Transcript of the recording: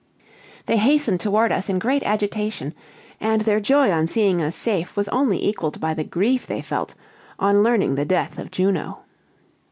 They hastened toward us in great agitation, and their joy on seeing us safe was only equaled by the grief they felt on learning the death of Juno.